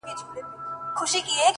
• صبر وکړه لا دي زمانه راغلې نه ده،